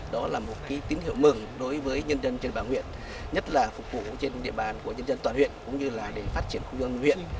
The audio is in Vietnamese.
đó là một tín hiệu mừng đối với nhân dân trên bàn huyện nhất là phục vụ trên địa bàn của nhân dân toàn huyện cũng như là để phát triển công an huyện